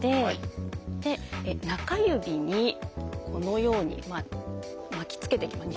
中指にこのように巻きつけていきます。